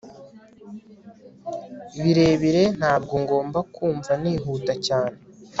Birebire Ntabwo ngomba kumva nihuta cyane